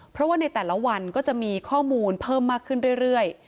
เพราะว่าในแต่ละวันก็จะมีข้อมูลเพิ่มมากขึ้นเรื่อย